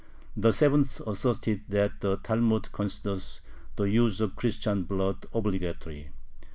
The seventh asserted that "the Talmud considers the use of Christian blood obligatory."